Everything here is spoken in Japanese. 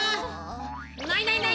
ないないない！